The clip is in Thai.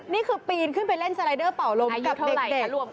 ปีนขึ้นไปเล่นสไลเดอร์เป่าลมกับเด็ก